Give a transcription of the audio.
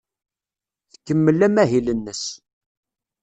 Tkemmel amahil-nnes.